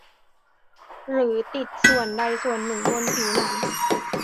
หรือติดส่วนใดส่วนหนึ่งบนผิวหนัง